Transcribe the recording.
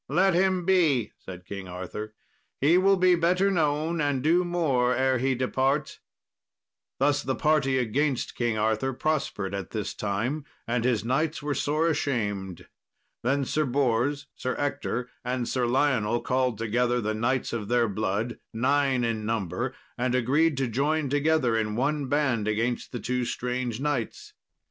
"Let him be," said King Arthur; "he will be better known, and do more ere he depart." Thus the party against King Arthur prospered at this time, and his knights were sore ashamed. Then Sir Bors, Sir Ector, and Sir Lionel called together the knights of their blood, nine in number, and agreed to join together in one band against the two strange knights.